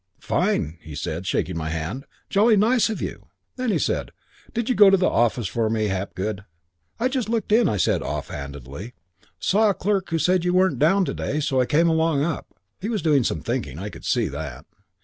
"'Fine,' he said, shaking my hand. 'Jolly nice of you.' Then he said, 'Did you go to the office for me, Hapgood?' "'Just looked in,' I said offhandedly. 'Saw a clerk who said you weren't down to day, so I came along up.' "He was doing some thinking, I could see that.